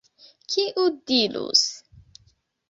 Kiu dirus?